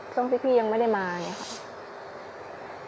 ช่วงที่พี่ยังไม่ได้มาเนี่ยค่ะ